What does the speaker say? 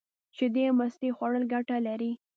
شیدې او مستې خوړل گټه لري.